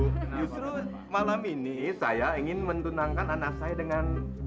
justru malam ini saya ingin mentunangkan anak saya dengan